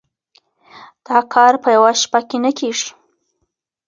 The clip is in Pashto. دا کار په يوه شپه کي نه کيږي.